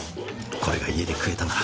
これが家で食えたなら。